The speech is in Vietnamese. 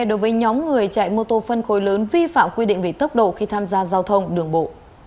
đối với nhóm người chạy mô tô phân khối lớn vi phạm quy định về tốc độ khi tham gia giao thông đường bộ